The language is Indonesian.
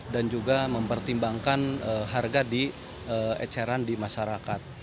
dan juga mempertimbangkan harga eceran di masyarakat